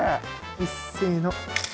いっせの！